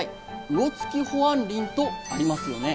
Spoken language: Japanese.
「魚つき保安林」とありますよね。